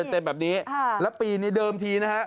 เต็มแบบนี้แล้วปีนี้เดิมทีนะฮะ